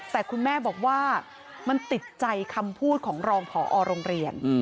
แต่คุณแม่บอกว่ามันติดใจคำพูดของรองผอโรงเรียน